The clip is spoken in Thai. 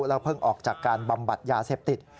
แล้วเพิ่งออกจากการบำบัดยาเสพติด